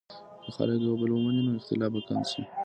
که خلک یو بل ومني، نو اختلاف به کم شي.